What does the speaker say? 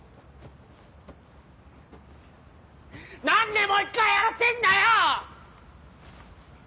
何でもう一回やらせんだよ！